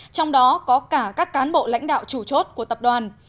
trong đó có cả các cán bộ lãnh đạo chủ chốt của tập đoàn